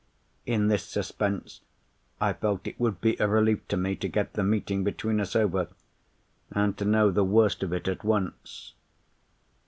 In this suspense, I felt it would be a relief to me to get the meeting between us over, and to know the worst of it at once.